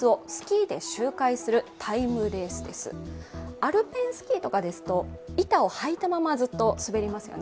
アルペンスキーとかですと板を履いたままずっと滑りますよね。